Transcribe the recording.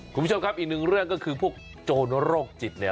คุณผู้ชมครับอีกหนึ่งเรื่องก็คือพวกโจรโรคจิตเนี่ย